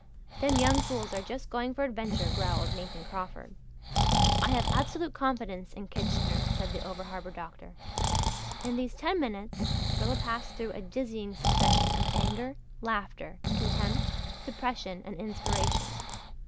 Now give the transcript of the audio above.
"Them young fools are just going for adventure," growled Nathan Crawford. "I have absolute confidence in Kitchener," said the over harbour doctor. In these ten minutes Rilla passed through a dizzying succession of anger, laughter, contempt, depression and inspiration.